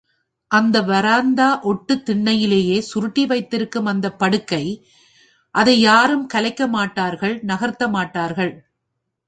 அந்த வராந்தா ஒட்டுத் திண்ணையிலேயே சுருட்டி வைத்திருக்கும் அந்தப் படுக்கை, அதை யாரும் கலைக்கமாட்டார்கள், நகர்த்தமாட்டார்கள்.